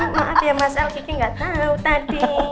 maaf ya mas al kiki nggak tahu tadi